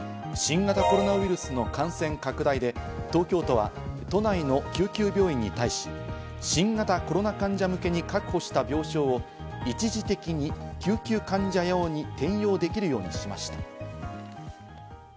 新型コロナウイルスの感染拡大で東京都は都内の救急病院に対し、新型コロナ患者向けに確保した病床を一時的に救急患者用に転用できるようにしました。